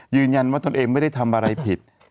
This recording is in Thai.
ยืนยันว่าตัวเองไม่ได้ทำอะไรผิด